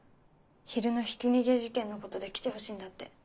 昼のひき逃げ事件のことで来てほしいんだって。